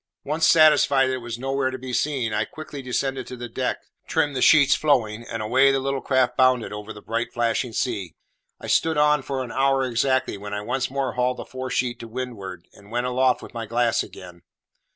Once satisfied that it was nowhere to be seen, I quickly descended to the deck, trimmed the sheets flowing, and away the little craft bounded over the bright flashing sea. I stood on for an hour exactly, when I once more hauled the fore sheet to windward, and went aloft with my glass again.